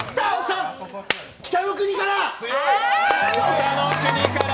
「北の国から」。